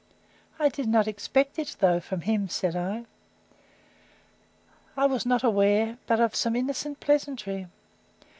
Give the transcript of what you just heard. I did not expect it, though, from him, said I. I was not aware but of some innocent pleasantry.